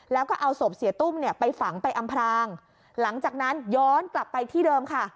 แล้วก็เอาศพเสียตุ้มเนี่ยไปฝังไปอำพรางหลังจากนั้นย้อนกลับไปที่เดิมค่ะ